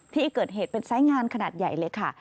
ที่เกิดเหตุเป็นไซส์งานขนาดใหญ่เลยค่ะ